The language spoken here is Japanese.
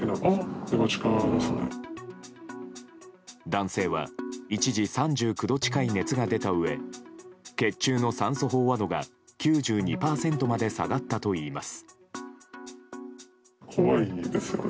男性は一時３９度近い熱が出たうえ血中の酸素飽和度が９２％まで下がったといいます。